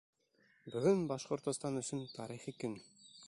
Бөгөн Башҡортостан өсөн тарихи көн!